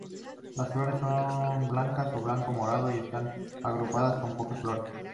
Las flores son blancas o blanco-morado y están agrupadas con pocas flores.